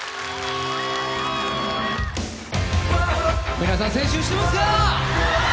皆さん青春してますか？